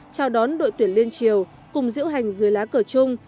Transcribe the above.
chào đón đội tuyển liên triều cùng diễu hành dưới lá cờ chung